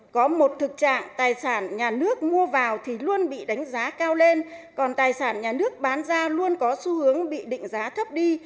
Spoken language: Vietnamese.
có một thực trạng tài sản nhà nước mua vào thì luôn bị đánh giá cao lên còn tài sản nhà nước bán ra luôn có xu hướng bị định giá thấp đi